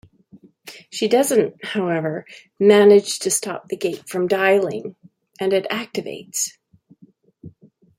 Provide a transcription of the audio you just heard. She doesn't, however, manage to stop the gate from dialing, and it activates.